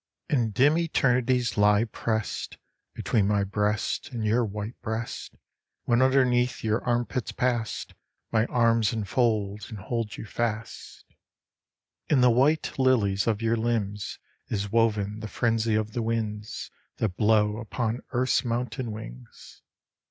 45 IN THE NET OF THE STARS And dim eternities lie pressed Between my breast and your white breast When underneath your armpits passed My arms enfold and hold you fast. In the white lilies of your limbs Is woven the frenzy of the winds That blow upon earth's mountain wings.